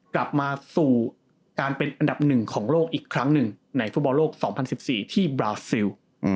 กลับมาสู่การเป็นอันดับหนึ่งของโลกอีกครั้งหนึ่งในฟุตบอลโลก๒๐๑๔ที่บราซิล